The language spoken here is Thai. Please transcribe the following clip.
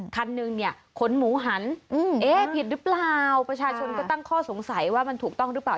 คันหนึ่งเนี่ยขนหมูหันเอ๊ผิดหรือเปล่าประชาชนก็ตั้งข้อสงสัยว่ามันถูกต้องหรือเปล่า